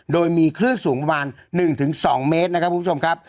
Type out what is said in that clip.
โดยมีคลื่นสูงประมาณ๑๒เมตรนะครับคุณผู้ชมครับ